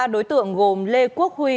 ba đối tượng gồm lê quốc huy